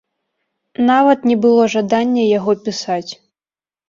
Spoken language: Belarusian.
Нават не было жадання яго пісаць.